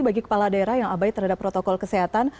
bagi kepala daerah yang abai terhadap protokol kesehatan